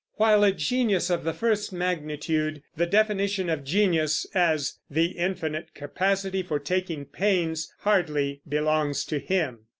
While a genius of the first magnitude, the definition of genius as "the infinite capacity for taking pains" hardly belongs to him.